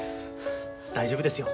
大丈夫ですよ。